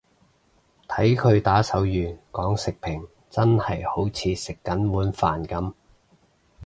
睇佢打手語講食評真係好似食緊碗飯噉